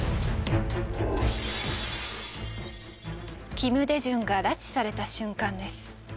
金大中が拉致された瞬間です。